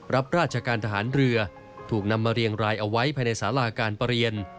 รับราชการทหารเรือถูกนำมาเรียงรายเอาไว้ภายในสาราการประเรียน